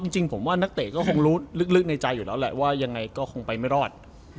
จริงผมว่านักเตะก็คงรู้ลึกในใจอยู่แล้วแหละว่ายังไงก็คงไปไม่รอด